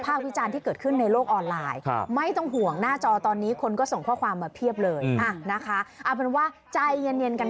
ขึ้นตอนไหนขึ้นขึ้นตอนไหนขึ้นขึ้นตอนไหนขึ้นขึ้นตอนไหนขึ้นขึ้นตอนไหนขึ้น